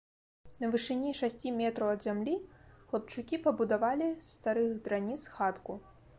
На вышыні шасці метраў ад зямлі хлапчукі пабудавалі з старых драніц хатку.